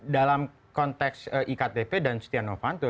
dalam konteks iktp dan setia novanto